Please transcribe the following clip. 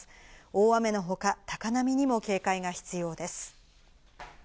大雨のほか、高波にも警戒が必要です。